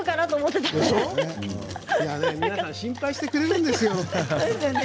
みんな心配してくれるんですよ。